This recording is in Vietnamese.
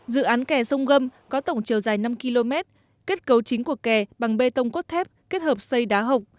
dự án kè sông gâm có tổng chiều dài năm km kết cấu chính của kè bằng bê tông cốt thép kết hợp xây đá hộc